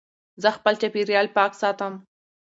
زه خپل چاپېریال پاک ساتم.